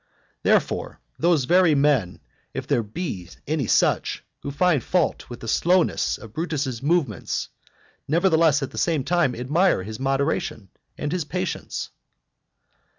Therefore, those very men, if there be any such, who find fault with the slowness of Brutus's movements, nevertheless at the same time admire his moderation and his patience.